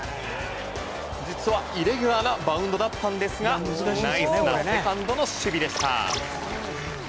実はイレギュラーなバウンドだったんですがナイスなセカンドの守備でした。